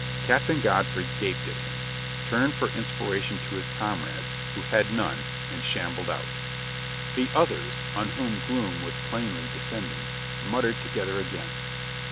Captain Godfrey gaped at him, turned for inspira tion to his comrades, who had none, and shambled out. The others, on whom gloom was plainly descend ing, muttered together again.